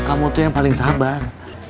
kamu tuh yang paling sabar